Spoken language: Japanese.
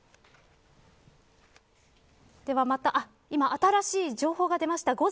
今、新しい情報が出ました。